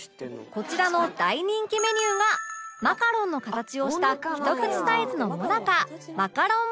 こちらの大人気メニューがマカロンの形をしたひと口サイズのもなか